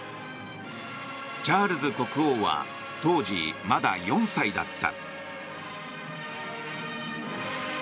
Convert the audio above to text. チャールズ国王は当時、まだ４歳だった。